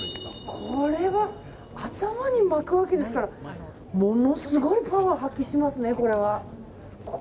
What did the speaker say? これは頭に巻くわけですからものすごいパワー発揮しますね。